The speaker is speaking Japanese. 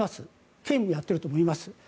兼務でやっていると思います。